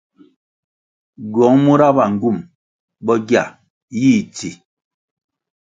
Ywuong mura ba ngywum bo gia yih tsi.